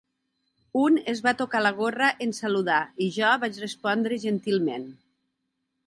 Un es va tocar la gorra en saludar i jo vaig respondre gentilment.